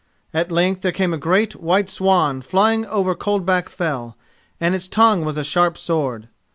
At length there came a great white swan flying over Coldback Fell, and its tongue was a sharp sword.